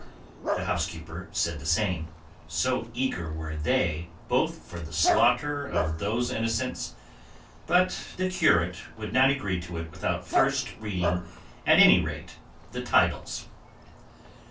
The housekeeper said the same, so eager were they both for the slaughter of those innocents, but the curate would not agree to it without first reading at any rate the titles.